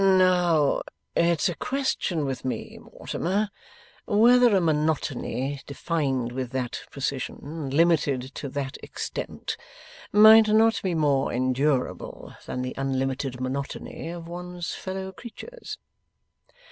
Now, it's a question with me, Mortimer, whether a monotony defined with that precision and limited to that extent, might not be more endurable than the unlimited monotony of one's fellow creatures.